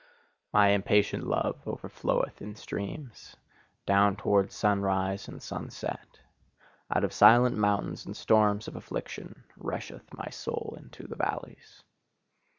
My impatient love overfloweth in streams, down towards sunrise and sunset. Out of silent mountains and storms of affliction, rusheth my soul into the valleys.